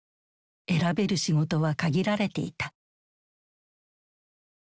選べる仕事は限られていた。